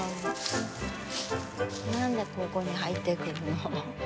何でここに入ってくるの？